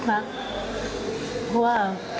เพราะว่า